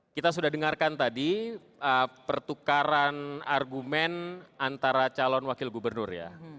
kita sudah dengarkan tadi pertukaran argumen antara calon wakil gubernur ya